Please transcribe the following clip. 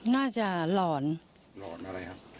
น่าจะหลอนหลอนอะไรครับ